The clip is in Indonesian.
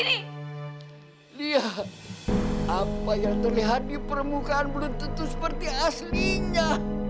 lihat apa yang terlihat di permukaan belum tentu seperti aslinya